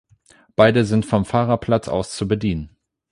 Beide sind vom Fahrerplatz aus zu bedienen.